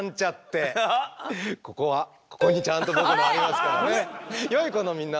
ここはここにちゃんと僕のありますからね。